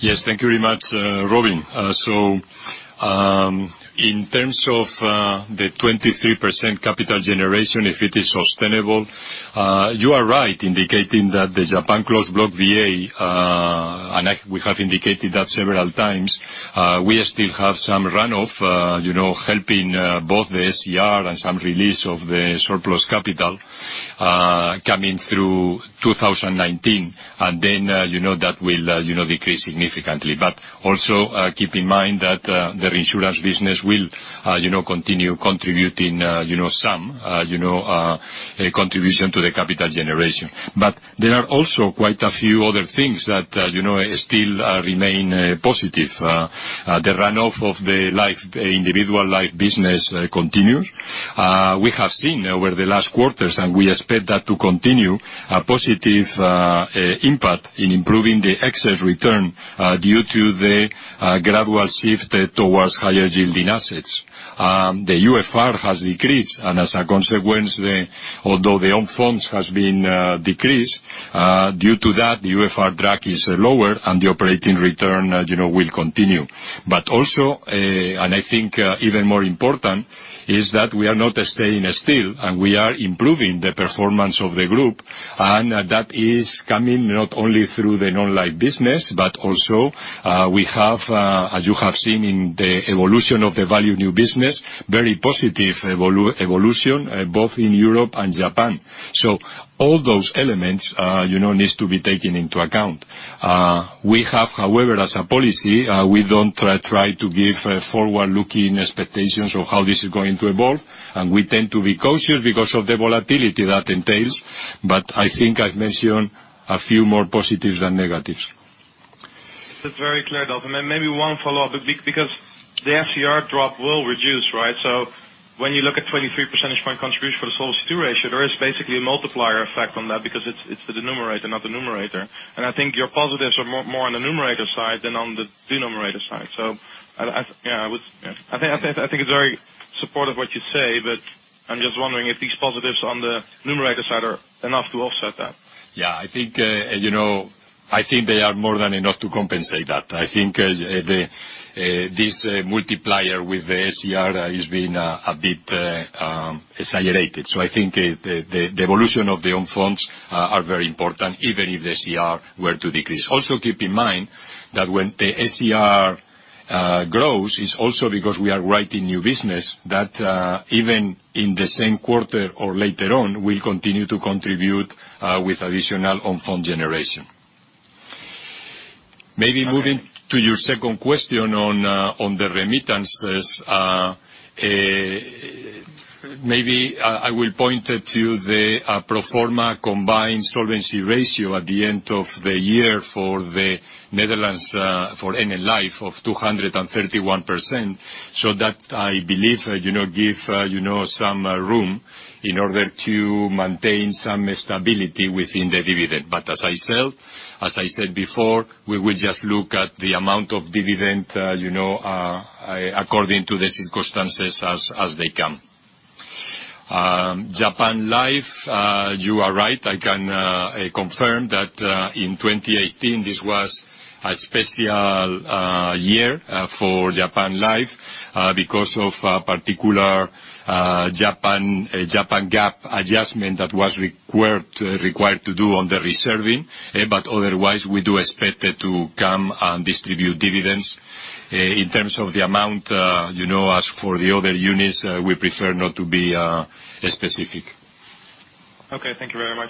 Yes. Thank you very much, Robin. In terms of the 23% capital generation, if it is sustainable, you are right indicating that there's a Japan Closed Block VA, and we have indicated that several times. We still have some run-off helping both the SCR and some release of the surplus capital coming through 2019, and then that will decrease significantly. Also keep in mind that the insurance business will continue contributing some contribution to the capital generation. There are also quite a few other things that still remain positive. The run-off of the individual life business continues. We have seen over the last quarters, and we expect that to continue, a positive impact in improving the excess return due to the gradual shift towards higher yielding assets. The UFR has decreased, and as a consequence, although the own funds has been decreased, due to that, the UFR drag is lower and the operating return will continue. Also, and I think even more important, is that we are not staying still, and we are improving the performance of the group. That is coming not only through the non-life business, but also we have, as you have seen in the evolution of the value new business, very positive evolution, both in Europe and Japan. All those elements need to be taken into account. We have, however, as a policy, we don't try to give a forward-looking expectations of how this is going to evolve. We tend to be cautious because of the volatility that entails. I think I've mentioned a few more positives than negatives. That's very clear, Delfin. Maybe one follow-up, because the SCR drop will reduce, right? When you look at 23 percentage points contribution for the Solvency II ratio, there is basically a multiplier effect on that because it's the denominator, not the numerator. I think your positives are more on the numerator side than on the denominator side. I think it's very supportive what you say, but I'm just wondering if these positives on the numerator side are enough to offset that. Yeah. I think they are more than enough to compensate that. I think this multiplier with the SCR is being a bit exaggerated. I think the evolution of the own funds are very important, even if the SCR were to decrease. Also, keep in mind that when the SCR grows, it's also because we are writing new business that even in the same quarter or later on, will continue to contribute with additional on-fund generation. Maybe moving to your second question on the remittances. Maybe I will point to the pro forma combined solvency ratio at the end of the year for the Netherlands, for NL Life, of 231%. That I believe give some room in order to maintain some stability within the dividend. As I said before, we will just look at the amount of dividend according to the circumstances as they come. Japan Life, you are right. I can confirm that in 2018, this was a special year for Japan Life because of particular Japan GAAP adjustment that was required to do on the reserving. Otherwise, we do expect to come and distribute dividends. In terms of the amount, as for the other units, we prefer not to be specific. Okay, thank you very much.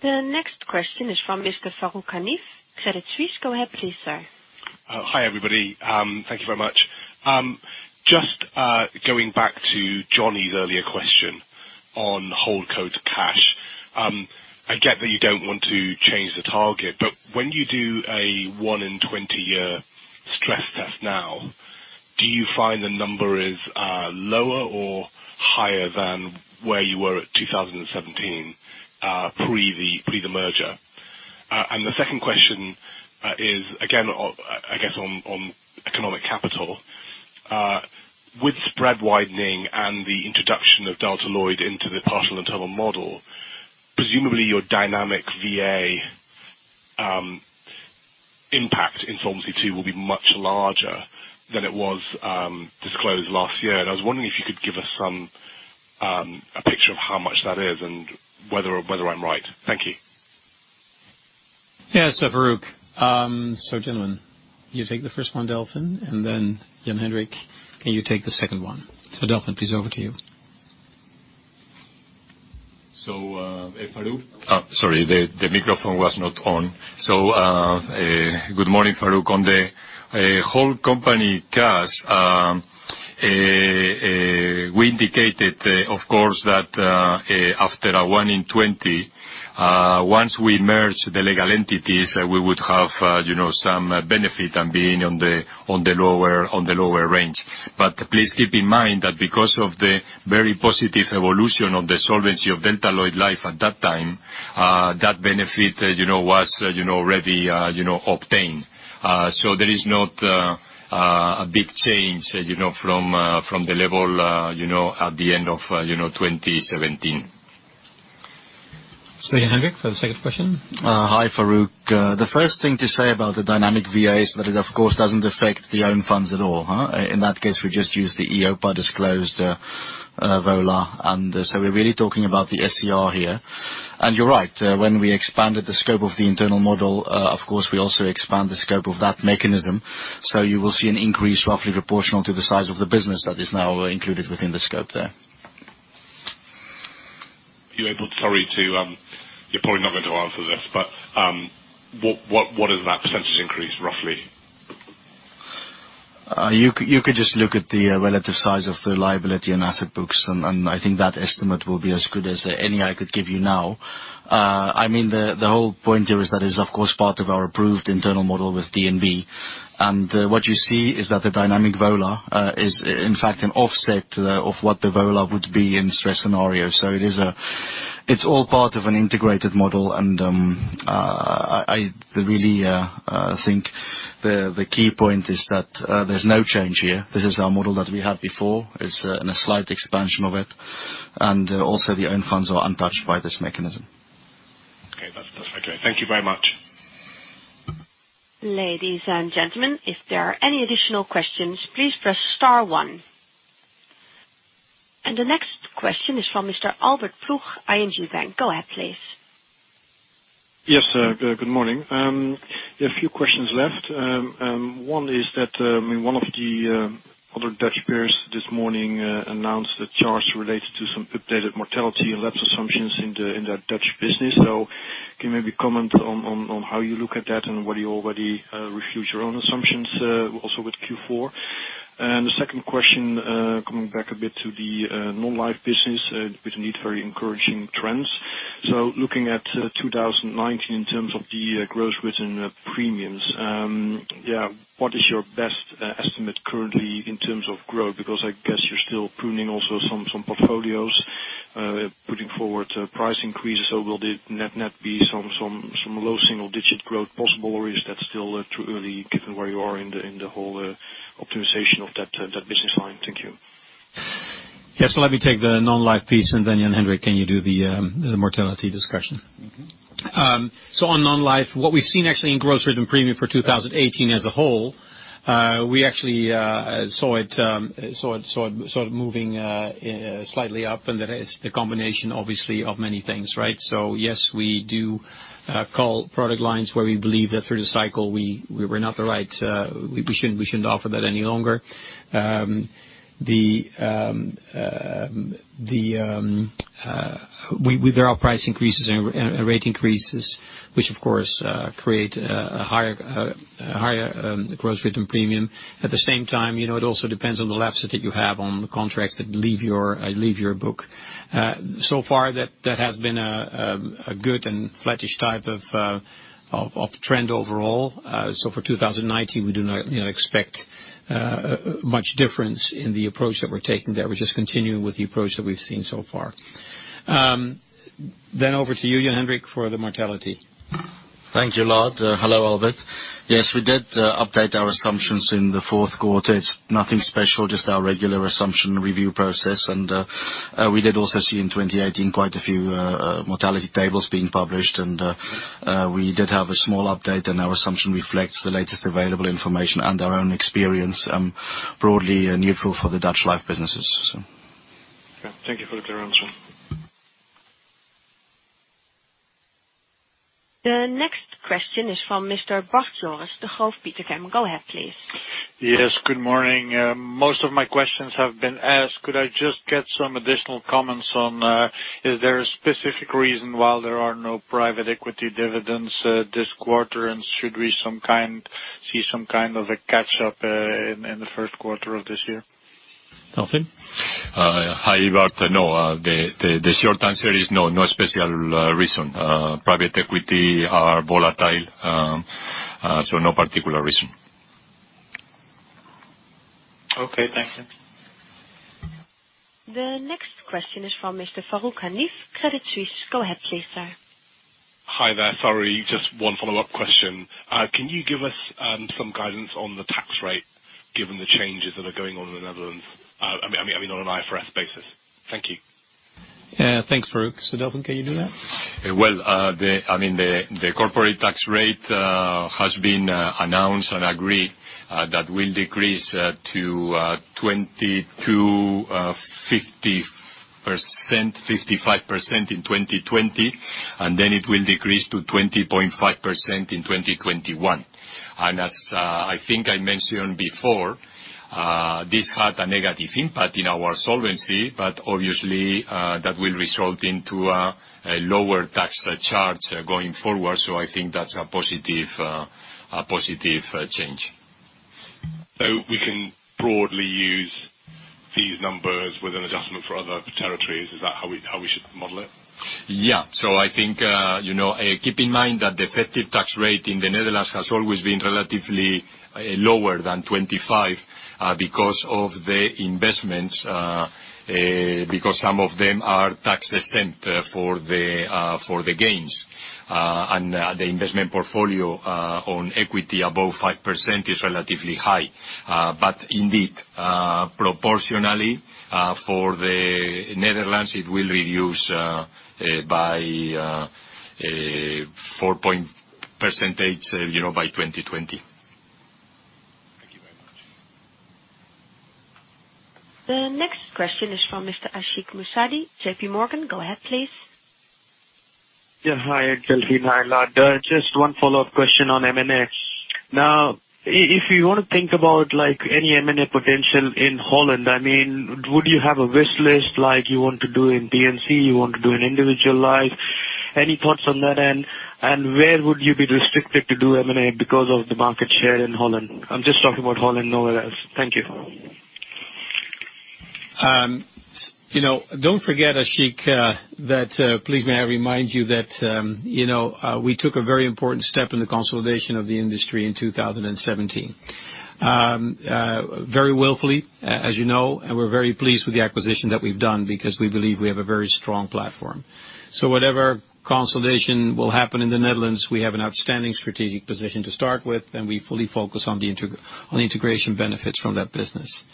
The next question is from Mr. Farooq Hanif, Credit Suisse. Go ahead please, sir. Hi, everybody. Thank you very much. Just going back to Johnny's earlier question on holdco to cash. I get that you don't want to change the target, but when you do a 1 in 20-year stress test now, do you find the number is lower or higher than where you were at 2017, pre the merger? The second question is, again, I guess on economic capital. With spread widening and the introduction of Delta Lloyd into the partial internal model, presumably your dynamic VA impact in Solvency II will be much larger than it was disclosed last year. I was wondering if you could give us a picture of how much that is and whether I'm right. Thank you. Yes, Farooq. Gentlemen, you take the first one, Delfin, and then Jan-Hendrik, can you take the second one? Delfin, please, over to you. Farooq. Sorry, the microphone was not on. Good morning, Farooq. On the whole company cash, we indicated, of course, that after a 1 in 20, once we merge the legal entities, we would have some benefit and being on the lower range. Please keep in mind that because of the very positive evolution of the solvency of Delta Lloyd Levensverzekering at that time, that benefit was already obtained. There is not a big change from the level at the end of 2017. Jan-Hendrik for the second question. Hi, Farooq. The first thing to say about the dynamic VA is that it, of course, doesn't affect the own funds at all. In that case, we just use the EIOPA disclosed VOLA. We're really talking about the SCR here. You're right, when we expanded the scope of the internal model, of course, we also expand the scope of that mechanism. You will see an increase roughly proportional to the size of the business that is now included within the scope there. You're probably not going to answer this, what is that % increase, roughly? You could just look at the relative size of the liability and asset books, I think that estimate will be as good as any I could give you now. The whole point here is that is, of course, part of our approved internal model with DNB. What you see is that the dynamic VOLA is in fact an offset of what the VOLA would be in stress scenario. It's all part of an integrated model, I really think the key point is that there's no change here. This is our model that we had before. It's a slight expansion of it. Also the own funds are untouched by this mechanism. Okay. That's okay. Thank you very much. Ladies and gentlemen, if there are any additional questions, please press star one. The next question is from Mr. Albert Ploegh, ING Bank. Go ahead, please. Yes. Good morning. A few questions left. One is that, one of the other Dutch peers this morning announced a charge related to some updated mortality and lapse assumptions in their Dutch business. Can you maybe comment on how you look at that and whether you already reviewed your own assumptions, also with Q4? The second question, coming back a bit to the non-life business, with indeed very encouraging trends. Looking at 2019 in terms of the gross written premiums, what is your best estimate currently in terms of growth? Because I guess you're still pruning also some portfolios, putting forward price increases. Will the net be some low single digit growth possible, or is that still too early given where you are in the whole optimization of that business line? Thank you. Yes, let me take the non-life piece, Jan-Hendrik, can you do the mortality discussion? On non-life, what we have seen actually in gross written premium for 2018 as a whole, we actually saw it moving slightly up. That is the combination, obviously, of many things. Yes, we do call product lines where we believe that through the cycle we shouldn't offer that any longer. There are price increases and rate increases, which of course, create a higher gross written premium. At the same time, it also depends on the lapses that you have on the contracts that leave your book. So far that has been a good and flattish type of trend overall. For 2019, we do not expect much difference in the approach that we're taking there. We're just continuing with the approach that we've seen so far. Over to you, Jan-Hendrik, for the mortality. Thank you, Lard. Hello, Albert. Yes, we did update our assumptions in the fourth quarter. It's nothing special, just our regular assumption review process. We did also see in 2018 quite a few mortality tables being published. We did have a small update, and our assumption reflects the latest available information and our own experience, broadly neutral for the Dutch life businesses. Okay, thank you for the clear answer. The next question is from Mr. Bart Jooris, Degroof Petercam. Go ahead, please. Yes, good morning. Most of my questions have been asked. Could I just get some additional comments on, is there a specific reason why there are no private equity dividends this quarter? Should we see some kind of a catch-up in the first quarter of this year? Delfin. Hi, Bart. No, the short answer is no special reason. Private equity are volatile, so no particular reason. Okay, thank you. The next question is from Mr. Farooq Hanif, Credit Suisse. Go ahead please, sir. Hi there. Sorry, just one follow-up question. Can you give us some guidance on the tax rate given the changes that are going on in the Netherlands, on an IFRS basis? Thank you. Thanks, Farooq. Delfin, can you do that? Well, the corporate tax rate has been announced and agreed that will decrease to 22.55% in 2020, then it will decrease to 20.5% in 2021. As I think I mentioned before, this had a negative impact in our solvency. Obviously, that will result into a lower tax charge going forward. I think that's a positive change. We can broadly use these numbers with an adjustment for other territories. Is that how we should model it? I think, keep in mind that the effective tax rate in the Netherlands has always been relatively lower than 25% because of the investments, because some of them are tax exempt for the gains. The investment portfolio on equity above 5% is relatively high. Indeed, proportionally for the Netherlands, it will reduce by 4% by 2020. Thank you very much. The next question is from Mr. Ashik Musaddi, JPMorgan. Go ahead, please. Hi, Ashik Musaddi. Just one follow-up question on M&A. If you want to think about any M&A potential in Holland, would you have a wish list like you want to do in DC, you want to do in individual life? Any thoughts on that? Where would you be restricted to do M&A because of the market share in Holland? I'm just talking about Holland, nowhere else. Thank you. Don't forget, Ashik, please may I remind you that we took a very important step in the consolidation of the industry in 2017. Very willfully, as you know, and we're very pleased with the acquisition that we've done because we believe we have a very strong platform. Whatever consolidation will happen in the Netherlands, we have an outstanding strategic position to start with, and we fully focus on the integration benefits from that business.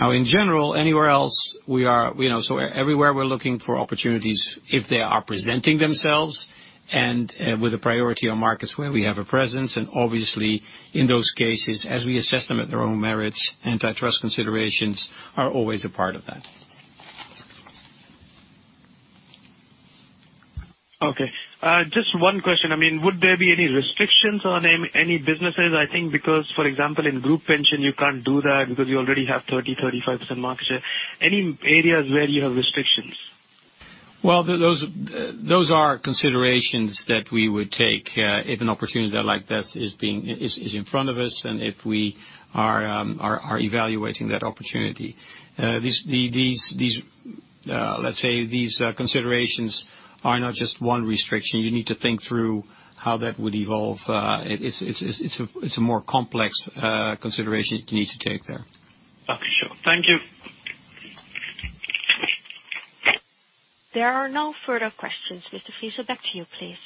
In general, anywhere else, everywhere we're looking for opportunities, if they are presenting themselves and with a priority on markets where we have a presence, and obviously, in those cases, as we assess them at their own merits, antitrust considerations are always a part of that. Okay. Just one question. Would there be any restrictions on any businesses, I think because, for example, in group pension, you can't do that because you already have 30, 35% market share. Any areas where you have restrictions? Well, those are considerations that we would take if an opportunity like this is in front of us, and if we are evaluating that opportunity. These considerations are not just one restriction. You need to think through how that would evolve. It's a more complex consideration you need to take there. Okay, sure. Thank you. There are no further questions, Mr. Friese. Back to you, please.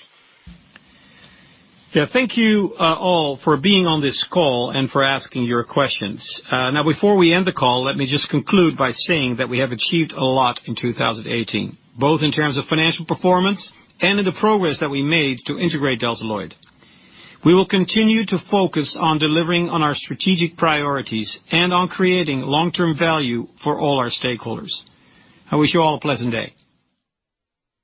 Thank you all for being on this call and for asking your questions. Now before we end the call, let me just conclude by saying that we have achieved a lot in 2018, both in terms of financial performance and in the progress that we made to integrate Delta Lloyd. We will continue to focus on delivering on our strategic priorities and on creating long-term value for all our stakeholders. I wish you all a pleasant day.